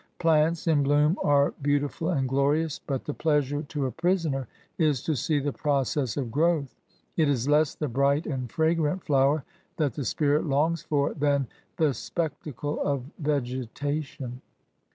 Plants in bloom are beautiful and glorious ; but the pleasure to a prisoner is to see the process of growth. It is less the bright and fragrant flower that the spirit longs for than the spectacle of vegetation.